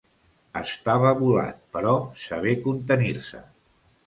Estava volat, però sabé contenir-se.